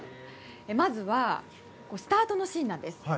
まずはスタートのシーンなんです。